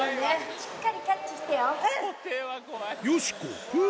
しっかりキャッチしてよ。